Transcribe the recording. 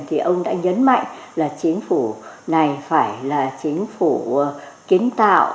thì ông đã nhấn mạnh là chính phủ này phải là chính phủ kiến tạo